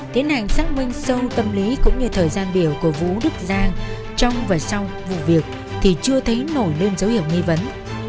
tiến hành xác minh sâu tâm lý cũng như thời gian biểu của vũ đức giang trong và sau vụ việc thì chưa thấy nổi lên dấu hiệu nghi vấn